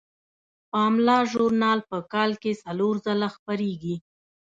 پملا ژورنال په کال کې څلور ځله خپریږي.